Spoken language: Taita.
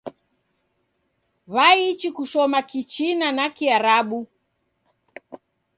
W'aichi kushoma kichina na Kiarabu.